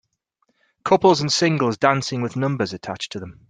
Couples and singles dancing with numbers attached to them.